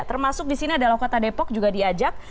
termasuk di sini adalah kota depok juga diajak